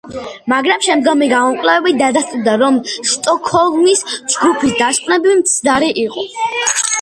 მაგრამ შემდგომი გამოკვლევებით დადასტურდა, რომ სტოკჰოლმის ჯგუფის დასკვნები მცდარი იყო.